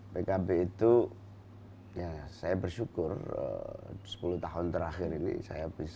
pkb itu ya saya bersyukur sepuluh tahun terakhir ini saya bisa